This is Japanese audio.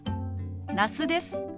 那須です。